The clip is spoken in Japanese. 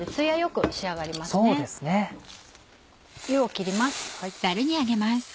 湯を切ります。